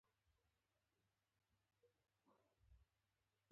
د ویرې له امله د دوی ژبه ګونګه ده.